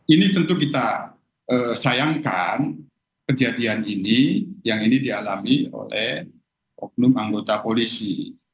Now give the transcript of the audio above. ini tentu kita sayangkan kejadian ini yang ini dialami oleh oknum anggota polisi